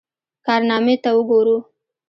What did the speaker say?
کارنامې ته وګورو.